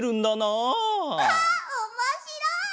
あっおもしろい！